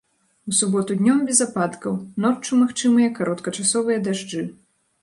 У суботу днём без ападкаў, ноччу магчымыя кароткачасовыя дажджы.